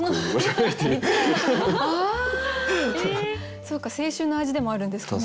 そうか青春の味でもあるんですかね